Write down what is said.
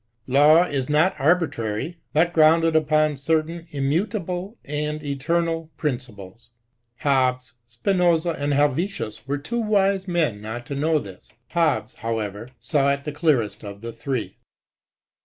Law is not arbitrary, but grounded upon cer tain immutable and eternal principles. Hobbes, Spinosa, and Hdretius, were too wise men not to know this ; Hobbes, however, saw it the clearest of the tliree.